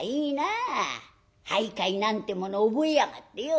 俳諧なんてもの覚えやがってよ。